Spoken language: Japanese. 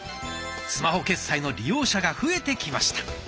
スマホ決済の利用者が増えてきました。